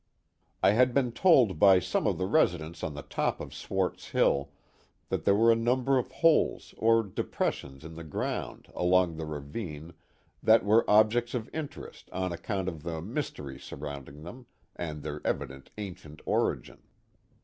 I had been told by some of the residents on the top of Swart's Hill that there were a number of holes or depressions in the ground along the ravine that were objects of interest on account of the mys tery surrounding them, and their evident ancient origin.